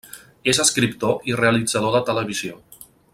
És escriptor i realitzador de televisió.